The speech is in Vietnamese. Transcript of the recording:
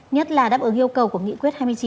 nhất là đáp ứng yêu cầu của nghị quyết hai mươi chín